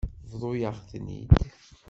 Bḍut-aɣ-ten-id.